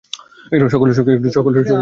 সকল shipping staff সহ।